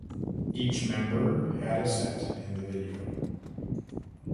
Each member had a set in the video.